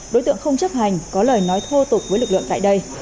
đối tượng không chấp hành có lời nói thô tục với lực lượng tại đây